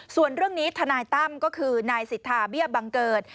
ส่วนเรื่องนี้ทนายตั้มก็คือนายสิทธาเบี้ยบังเกิด